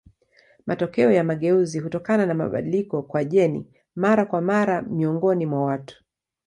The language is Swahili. Matokeo ya mageuzi hutokana na mabadiliko kwa jeni mara kwa mara miongoni mwa watu.